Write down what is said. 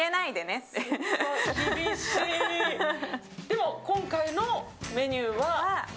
でも今回のメニューは？